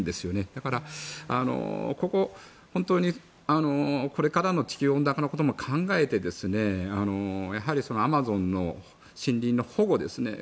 だから、本当にこれからの地球温暖化のことも考えてアマゾンの森林の保護ですね。